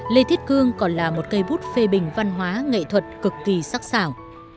lê thiết cương còn là một cây bút phê bình văn hóa nghệ thuật cực kỳ sắc xảo